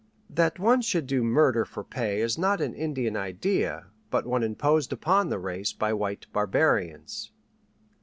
That one should do murder for pay is not an Indian idea but one imposed upon the race by white barbarians.